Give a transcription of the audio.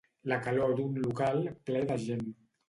La calor d'un local ple de gent.